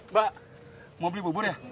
mbak mau beli bubur ya